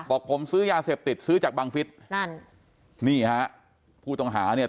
บอกผมซื้อยาเสพติดซื้อจากบังฟิศนั่นนี่ฮะผู้ต้องหาเนี่ย